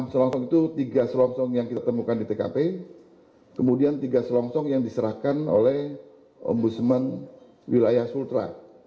enam selongsong itu tiga selongsong yang kita temukan di tkp kemudian tiga selongsong yang diserahkan oleh ombudsman wilayah sultra